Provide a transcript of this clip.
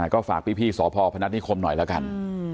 ก็ฝากพี่สพพนัทนิคมหน่อยแล้วกัน